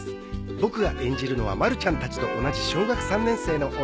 僕が演じるのはまるちゃんたちと同じ小学３年生の男の子。